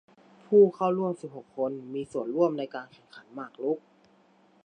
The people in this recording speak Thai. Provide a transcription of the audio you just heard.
ผู้เข้าร่วมสิบหกคนมีส่วนร่วมในการแข่งขันหมากรุก